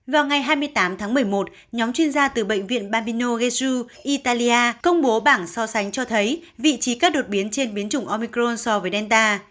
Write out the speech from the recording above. vào ngày hai mươi tám tháng một mươi một nhóm chuyên gia từ bệnh viện babino ghezu italia công bố bảng so sánh cho thấy vị trí các đột biến trên biến chủng omicron so với delta